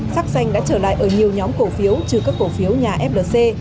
sắc xanh đã trở lại ở nhiều nhóm cổ phiếu trừ các cổ phiếu nhà flc